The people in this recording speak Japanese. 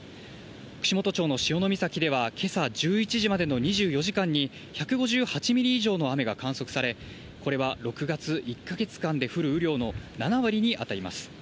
串本町の潮岬では今朝１１時までの２４時間に１５８ミリ以上の雨が観測され、これは６月１か月間で降る量の７割にあたります。